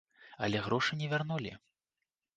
Але грошы не вярнулі.